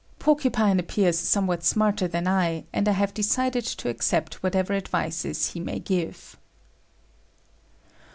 Porcupine appears somewhat smarter than I, and I have decided to accept whatever advices he may give.